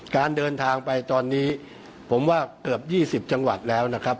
การเดินทางไปตอนนี้ผมว่าเกือบ๒๐จังหวัดแล้วนะครับ